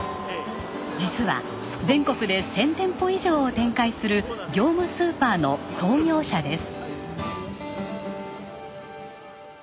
実は全国で１０００店舗以上を展開する業務スーパーの創業者です。